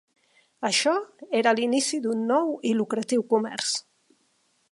Això era l'inici d'un nou i lucratiu comerç.